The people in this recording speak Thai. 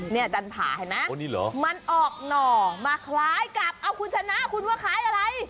จันผาเห็นไหมมันออกหน่อมาคล้ายกับเอาคุณชนะคุณว่าคล้ายอะไร